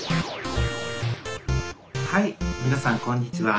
はい皆さんこんにちは。